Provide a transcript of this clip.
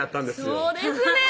そうですね